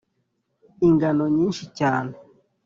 ingano nyinshi cyane